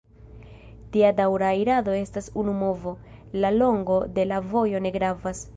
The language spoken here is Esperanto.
Tia daŭra irado estas unu movo: la longo de la vojo ne gravas.